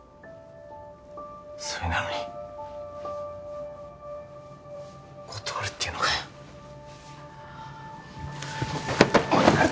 それなのに断るっていうのかよおい